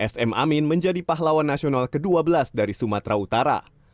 sm amin menjadi pahlawan nasional ke dua belas dari sumatera utara